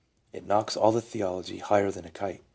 It knocks all the theology higher than a kite!